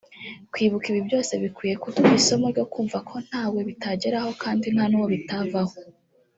Kwibuka ibi byose bikwiye kuduha isomo ryo kumva ko ntawe bitageraho kandi nta n’uwo bitavaho